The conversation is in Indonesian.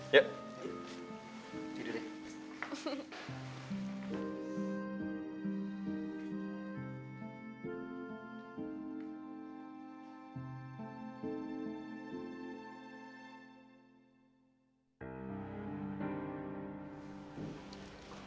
yuk tidur ya